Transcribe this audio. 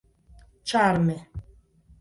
ĉarme